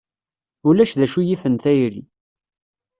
Ulac d acu yifen tayri.